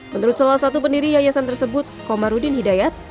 menurut salah satu pendiri yayasan tersebut komarudin hidayat